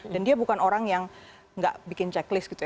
dan dia bukan orang yang nggak bikin checklist gitu ya